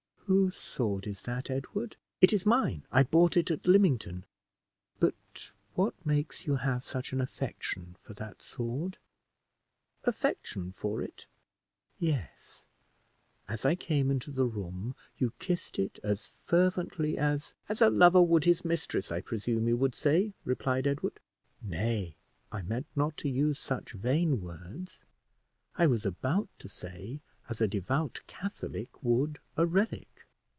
"Whose sword is that, Edward?" "It is mine; I bought it at Lymington." "But what makes you have such an affection for that sword?" "Affection for it?" "Yes; as I came into the room you kissed it as fervently as " "As a lover would his mistress, I presume you would say," replied Edward. "Nay, I meant not to use such vain words. I was about to say, as a devout Catholic would a relic.